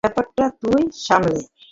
ব্যাপারটা তুই সামলা।